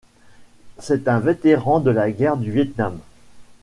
C'est un vétéran de la guerre du Viêt Nam.